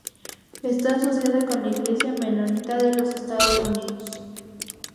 Está asociada con la Iglesia Menonita de los Estados Unidos.